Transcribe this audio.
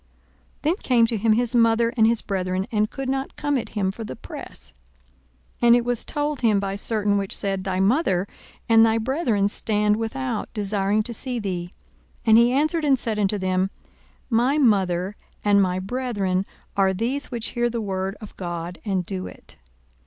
42:008:019 Then came to him his mother and his brethren, and could not come at him for the press. 42:008:020 And it was told him by certain which said, Thy mother and thy brethren stand without, desiring to see thee. 42:008:021 And he answered and said unto them, My mother and my brethren are these which hear the word of God, and do it.